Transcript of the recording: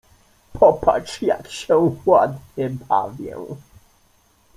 — Popatrz, jak się ładnie bawię.